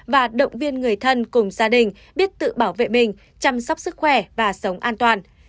và động viên người thân cùng gia đình biết tự bảo vệ mình chăm sóc sức khỏe và sống an toàn